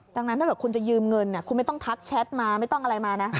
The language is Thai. ดังนั้นถ้าเกิดคุณจะยืมเงินคุณไม่ต้องทักแชทมาไม่ต้องอะไรมานะ